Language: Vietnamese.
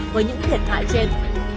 với những thiệt hại trên